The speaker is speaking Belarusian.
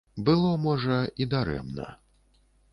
Было, можа, і дарэмна.